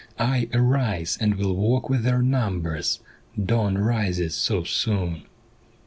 I arise and will walk with their numbers, Dawn rises so soon.